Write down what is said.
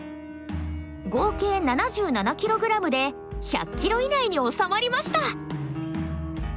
合計７７ｋｇで１００ｋｇ以内に収まりました。